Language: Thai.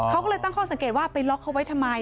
เขาก็เลยตั้งข้อสังเกตว่าไปล็อกเขาไว้ทำไม